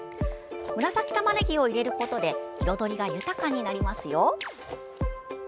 紫たまねぎを入れることで彩りが豊かになりますよ。